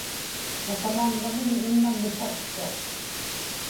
tasamaŋŋamiñ imma nipattuq